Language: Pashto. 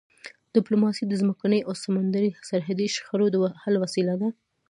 ډیپلوماسي د ځمکني او سمندري سرحدي شخړو د حل وسیله ده.